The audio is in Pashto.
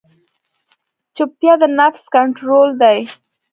چپتیا، د نفس کنټرول دی.